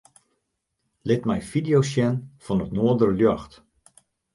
Lit my fideo's sjen fan it noarderljocht.